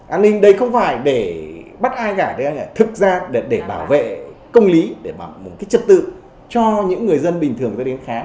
an ninh đây không phải để bắt ai cả đây là thực ra để bảo vệ công lý để bảo vệ một cái chất tự cho những người dân bình thường đến khám